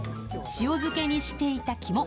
塩漬けにしていた肝。